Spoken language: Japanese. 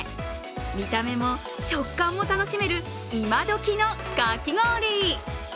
見た目も食感も楽しめる今どきのかき氷。